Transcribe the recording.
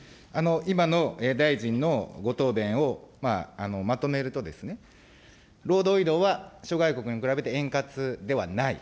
今の大臣のご答弁をまとめるとですね、労働移動は諸外国に比べて円滑ではない。